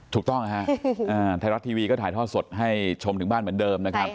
ถูกต้องฮะไทยรัฐทีวีก็ถ่ายทอดสดให้ชมถึงบ้านเหมือนเดิมนะครับ